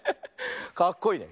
かっこいいね。